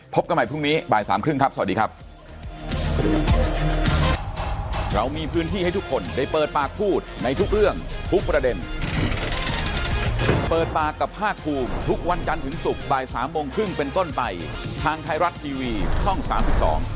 พบกันใหม่พรุ่งนี้บ่ายสามครึ่งครับสวัสดีครับ